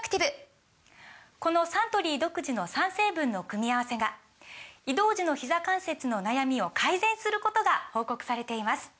このサントリー独自の３成分の組み合わせが移動時のひざ関節の悩みを改善することが報告されています